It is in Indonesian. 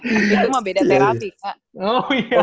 itu mah beda terapi